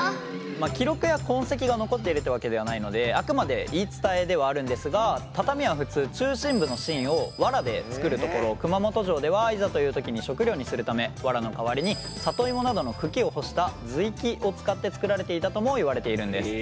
記録や痕跡が残っているってわけではないのであくまで言い伝えではあるんですが畳は普通中心部の芯を藁で作るところを熊本城ではいざという時に食料にするため藁の代わりに里芋などの茎を干した芋茎を使って作られていたともいわれているんです。